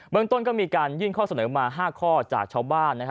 เมืองต้นก็มีการยื่นข้อเสนอมา๕ข้อจากชาวบ้าน